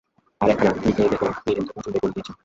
আর একখানা, লিখেই দেখো না-নীরেন তো পছন্দই করে গিয়েছেন।